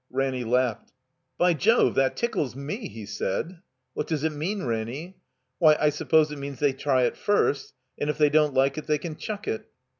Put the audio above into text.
Ranny laughed. "By Jove, that tickles mer he said. What does it mean, Ranny?" '*Why, I suppose it means they try it first and if they don't like it they can chuck it."